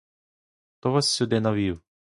Хто вас сюди навів?